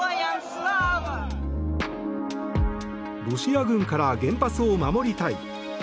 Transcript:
ロシア軍から原発を守りたい。